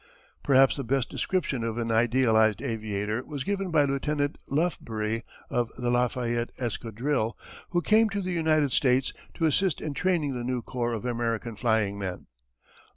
Perhaps the best description of an idealized aviator was given by Lieutenant Lufbery, of the Lafayette Escadrille, who came to the United States to assist in training the new corps of American flying men.